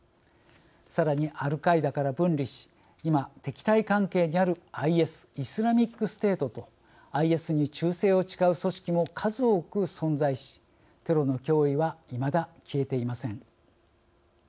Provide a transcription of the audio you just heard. さらにアルカイダから分離し今、敵対関係にあるＩＳ＝イスラミックステートとＩＳに忠誠を誓う組織も数多く存在しテロの脅威はいまだ消えていません。